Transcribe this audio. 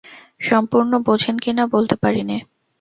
সম্পূর্ণ বোঝেন কি না বলতে পারি নে।